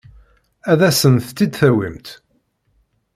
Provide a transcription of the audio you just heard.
Ad asent-tt-id-tawimt?